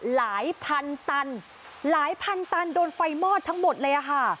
หลายพันตันหลายพันตันโดนไฟมอดทั้งหมดเลยค่ะ